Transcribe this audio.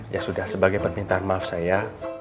ya sudah sebagai permintaan maaf saya